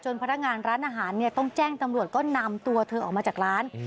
พนักงานร้านอาหารเนี่ยต้องแจ้งตำรวจก็นำตัวเธอออกมาจากร้าน